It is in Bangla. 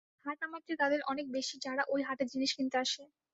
হাট আমার চেয়ে তাদের অনেক বেশি যারা ঐ হাটে জিনিস কিনতে আসে।